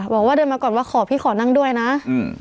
บอกว่าเดินมาก่อนว่าขอพี่ขอนั่งด้วยนะอืม